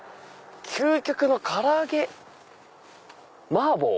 「究極の唐揚げ麻婆」。